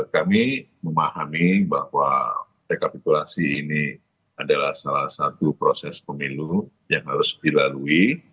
kami memahami bahwa rekapitulasi ini adalah salah satu proses pemilu yang harus dilalui